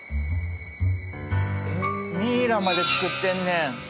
ミイラまで作ってんねん。